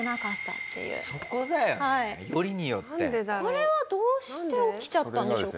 これはどうして起きちゃったんでしょうか？